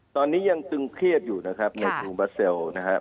ตอนนี้ยังตึงเครียดอยู่นะครับในกรุงบัสเซลนะครับ